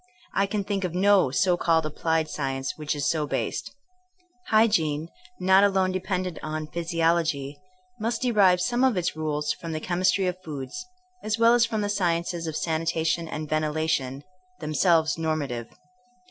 I can think of no so called applied science which is so based. Hygiene, not alone dependent on physiology, must derive some of its rules from the chemistry of foods, as well as from the sci ences of sanitation and ventilation, themselves normative.